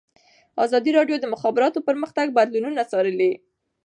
ازادي راډیو د د مخابراتو پرمختګ بدلونونه څارلي.